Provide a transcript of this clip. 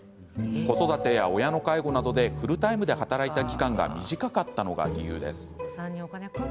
子育てや親の介護などでフルタイムで働いた期間が短かったのが理由です。